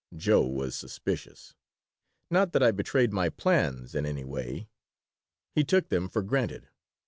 Joe was suspicious. Not that I betrayed my plans in any way. He took them for granted.